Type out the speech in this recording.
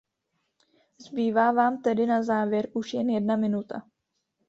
Zbývá vám tedy na závěr už jen jedna minuta.